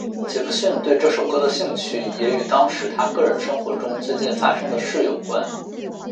杰克逊对这首歌的兴趣也与当时他个人生活中最近发生的事有关。